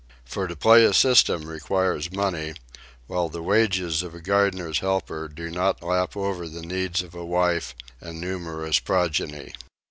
For to play a system requires money, while the wages of a gardener's helper do not lap over the needs of a wife and numerous progeny.